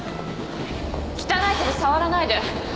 汚い手で触らないで